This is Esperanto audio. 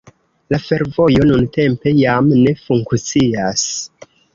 La fervojo nuntempe jam ne funkcias.